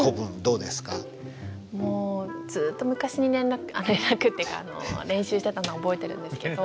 もうずっと昔に連絡連絡っていうか練習してたのは覚えてるんですけど。